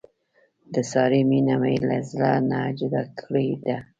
د سارې مینه مې له زړه نه جدا کړې ده.